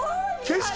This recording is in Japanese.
景色